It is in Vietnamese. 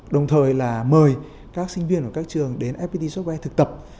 đồng thời mời các sinh viên của các trường đến fpt software thực tập